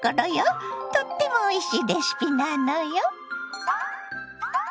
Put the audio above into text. とってもおいしいレシピなのよ。